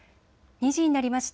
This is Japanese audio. ２時になりました。